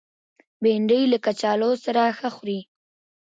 بېنډۍ له کچالو سره ښه خوري